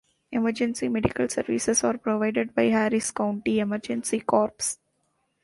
Emergency medical services are provided by Harris County Emergency Corps.